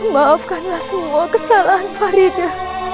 maafkanlah semua kesalahan farida